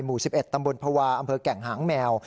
หมู่๑๑ตำบลภาวะอำเภอแก่งหางแมว